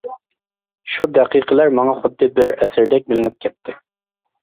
شۇ دەقىقىلەر ماڭا خۇددى بىر ئەسىردەك بىلىنىپ كەتتى.